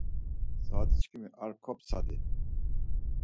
Saat̆içkimis ar koptsadi.